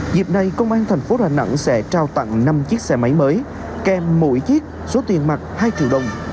dịp này công an thành phố đà nẵng sẽ trao tặng năm chiếc xe máy mới kèm mỗi chiếc số tiền mặt hai triệu đồng